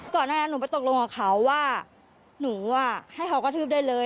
ก่อนหน้านั้นหนูไปตกลงกับเขาว่าหนูให้เขากระทืบได้เลย